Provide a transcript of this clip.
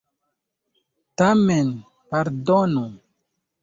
Tamen, pardonu.